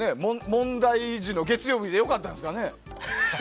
問題児の月曜日で良かったんですかね。